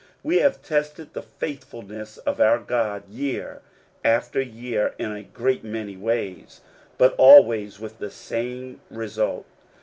We have tested the faithfulness of our God year after year, in a great many ways, but always with the same result.